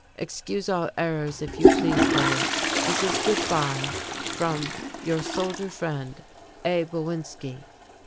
Excuse all errors if you pleas will. This is goodby from Your soldier friend, A. BOWINSKI.